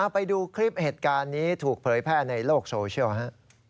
ไปดูคลิปเหตุการณ์นี้ถูกเผยแพร่ในโลกโซเชียลฮะ